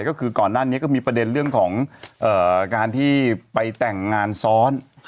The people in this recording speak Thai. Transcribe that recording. ก็คือก่อนหน้านี้ก็มีประเด็นเรื่องของการที่ไปแต่งงานซ้อน